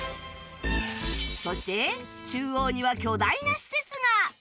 そして中央には巨大な施設が